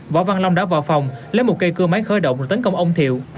võ văn long đã vào phòng lấy một cây cưa máy khởi động rồi tấn công ông thiệu